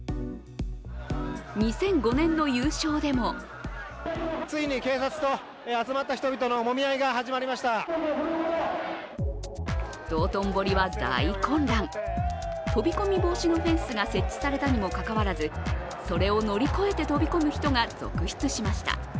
２００５年の優勝でも道頓堀は大混乱、飛び込み防止のフェンスが設置されたにもかかわらず、それを乗り越えて飛び込む人が続出しました。